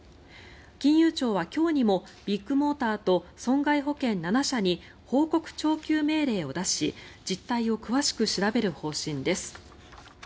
金融庁は今日にもビッグモーターと損害保険７社に報告徴求命令を出し実態を詳しく調べる方針です。